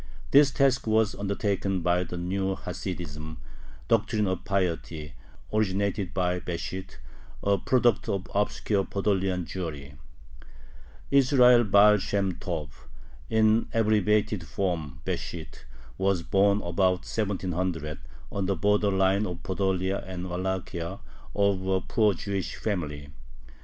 This task was undertaken by the new Hasidism ("Doctrine of Piety"), originated by Besht, a product of obscure Podolian Jewry. Israel Baal Shem Tob (in abbreviated form BeSHT) was born about 1700 on the border line of Podolia and Wallachia of a poor Jewish family.